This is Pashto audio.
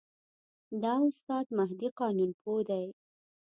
دا استاد مهدي قانونپوه دی.